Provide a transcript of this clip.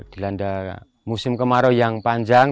dilanda musim kemarau yang panjang